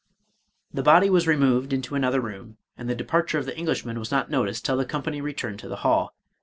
The body was removed into another room, and the de parture of the Englishman was not noticed till the company returned to the hall.